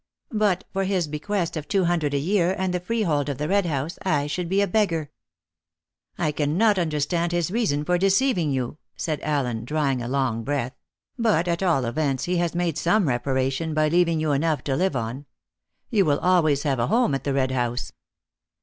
But for his bequest of two hundred a year and the freehold of the Red House, I should be a beggar." "I cannot understand his reason for deceiving you," said Allen, drawing a long breath; "but at all events, he has made some reparation by leaving you enough to live on. You will always have a home at the Red House."